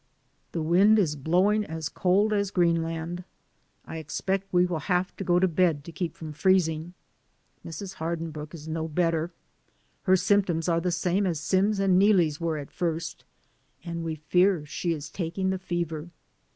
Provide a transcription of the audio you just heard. The wind is blowing as cold as Green land. I expect we will have to go to bed to keep from freezing. Mrs. Hardinbrooke is no better; her symptoms are the same as Sim's and Neelie's were at first, and we fear she is taking the fever.